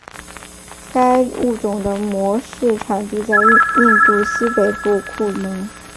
该物种的模式产地在印度西北部库蒙。